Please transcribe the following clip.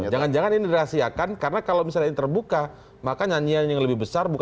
jangan jangan ini dirahasiakan karena kalau misalnya ini terbuka maka nyanyian yang lebih besar